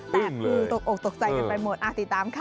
แต่คือตกอกตกใจกันไปหมดติดตามค่ะ